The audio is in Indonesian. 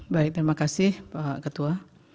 baik terima kasih pak ketua